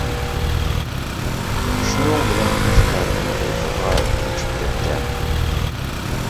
شۇنىڭ بىلەن قەشقەردىن غۇلجىغا كۆچۈپ كەتكەن.